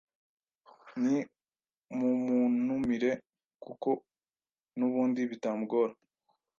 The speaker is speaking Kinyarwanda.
Nimumuntumire kuko nubundi bitamugora